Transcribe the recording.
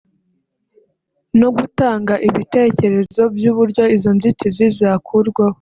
no gutanga ibitekerezo by’uburyo izo nzitizi zakurwaho”